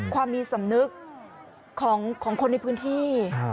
ความมีสำนึกของคนในพื้นที่